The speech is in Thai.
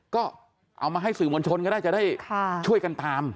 ก็เอามาให้สื่อมวลชนก็ได้จะได้ช่วยกันตาม